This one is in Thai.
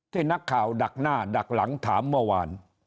ที่นักข่าวดักหน้าดักหลังถามเมื่อวาน